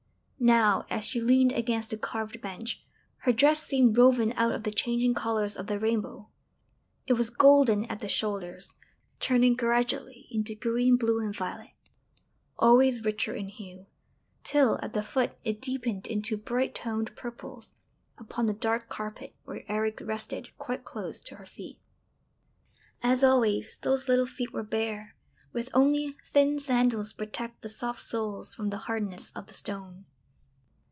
Now, as she leaned against the carved bench, her dress seemed woven out of the changing colours of the rainbow. It was golden at the shoulders, turning gradually into green, blue, and violet, always richer in hue, till at the foot it deepened into bright toned purples upon the dark carpet where Eric rested quite close to her feet. As always, those little feet were bare, with only thin sandals to protect the soft soles from the hardness of the stone.